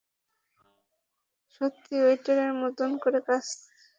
সত্যিই ওয়েটারে মতো করে সেজেছি?